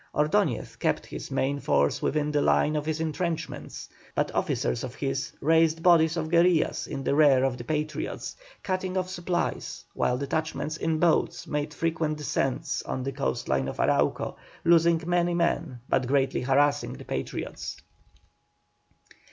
Ordoñez kept his main force within the line of his entrenchments, but officers of his raised bodies of guerillas in the rear of the Patriots, cutting off supplies, while detachments in boats made frequent descents on the coast line of Arauco, losing many men, but greatly harassing the Patriots.